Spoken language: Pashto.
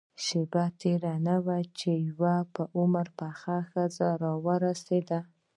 شېبه نه وه تېره چې يوه په عمر پخه ښځه راورسېده.